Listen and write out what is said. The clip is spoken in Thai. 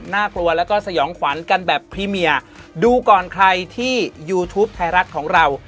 น่ากลัวแล้วก็สยองขวัญกันแบบพรีเมียดูก่อนใครที่ยูทูปไทยรัฐของเรา